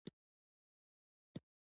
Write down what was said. د انسان اساسي اړتیاوې په درېو شیانو رالنډېږي.